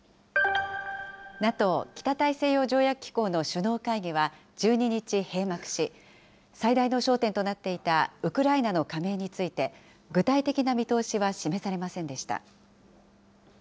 ＮＡＴＯ・北大西洋条約機構の首脳会議は１２日、閉幕し、最大の焦点となっていたウクライナの加盟について、具体的な見通しは示されませんでした。